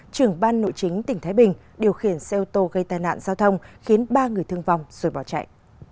trưởng ban nội chính tỉnh thái bình điều khiển xe ô tô gây tai nạn giao thông khiến ba người thương vong rồi bỏ chạy